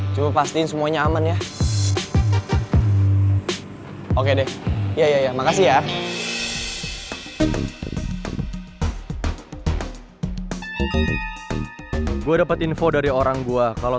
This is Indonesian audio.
coba pastiin semuanya aman ya oke deh iya ya makasih ya gue dapat info dari orang gue kalau